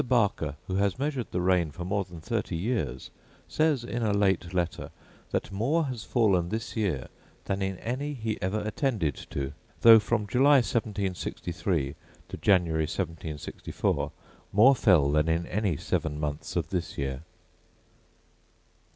Barker, who has measured the rain for more than thirty years, says, in a late letter, that more has fallen this year than in any he ever attended to; though, from July 1763 to January 1764, more fell than in any seven months of this year.